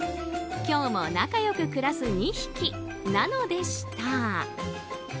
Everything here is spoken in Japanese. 今日も仲良く暮らす２匹なのでした。